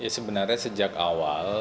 sebenarnya sejak awal